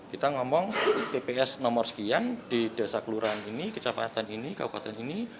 kita ngomong tps nomor sekian di desa kelurahan ini kecamatan ini kabupaten ini